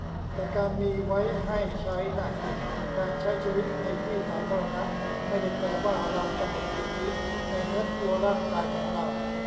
แต่ชีวิตมีไว้ให้ใช้น่ะสิ การใช้ชีวิตในที่สาธารณะ ไม่ได้แปลว่าเราจะหมดสิทธิในเนื้อตัวร่างกายของเรา